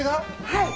はい。